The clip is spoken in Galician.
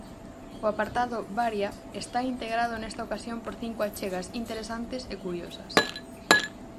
O apartado "Varia" está integrado nesta ocasión por cinco achegas interesantes e curiosas.